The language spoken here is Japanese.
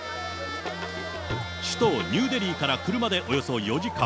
首都ニューデリーから車でおよそ４時間。